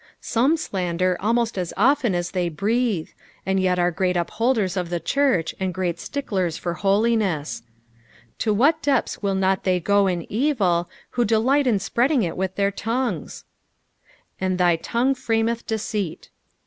Some slander almost as often as they breathe, and yet are great upholders of the church, and great sticklers for holiness. To what depths will not the; go in evil, who delight in spreading it with their tongues? "And thy UmgTie frameth deceit."